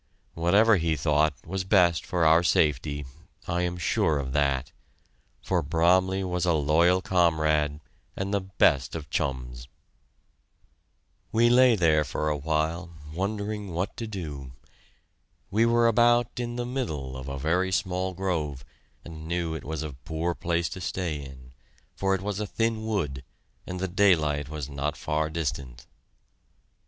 Whatever he thought was best for our safety, I am sure of that, for Bromley was a loyal comrade and the best of chums. We lay there for a while, wondering what to do. We were about in the middle of a very small grove, and knew it was a poor place to stay in, for it was a thin wood, and the daylight was not far distant.